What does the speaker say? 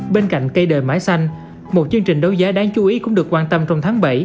bên cạnh cây đời mãi xanh một chương trình đấu giá đáng chú ý cũng được quan tâm trong tháng bảy